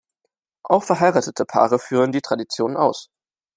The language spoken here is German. Auch verheiratete Paare führen die Tradition aus.